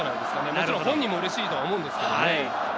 もちろん本人もうれしいと思いますけれど。